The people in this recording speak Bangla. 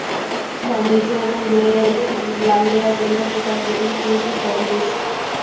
তাই নিজের এবং মেয়ে লামিয়ার জন্য পোশাক যেগুলো কিনেছি, সবই দেশি।